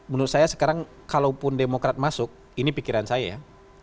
menurut saya sekarang kalaupun demokrat masuk ini pikiran saya ya